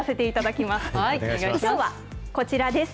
きょうはこちらです。